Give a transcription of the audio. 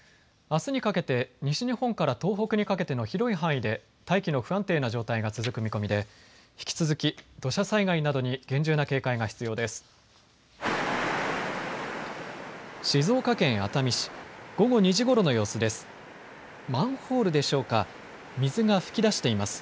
あすにかけて西日本から東北にかけての広い範囲で大気の不安定な状態が続く見込みで引き続き土砂災害などに厳重な警戒が必要です。